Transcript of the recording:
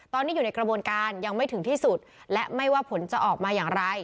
ตอนนี้อยู่ในกระบวนการยังไม่ถึงที่สุดและไม่ว่าผลจะออกมาอย่างไร